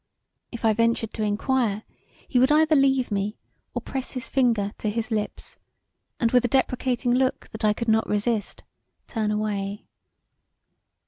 ] If I ventured to enquire he would either leave me or press his finger on his lips, and with a deprecating look that I could not resist, turn away.